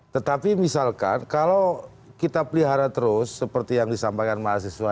tetapi misalkan kalau kita pelihara terus seperti yang disampaikan mahasiswa